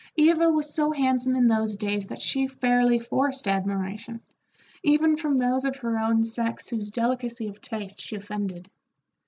Eva was so handsome in those days that she fairly forced admiration, even from those of her own sex whose delicacy of taste she offended.